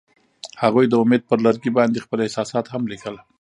هغوی د امید پر لرګي باندې خپل احساسات هم لیکل.